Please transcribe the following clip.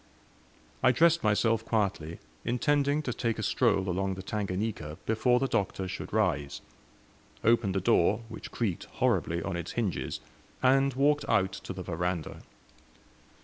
I dressed myself quietly, intending to take a stroll along the Tanganika before the Doctor should rise; opened the door, which creaked horribly on its hinges, and walked out to the veranda.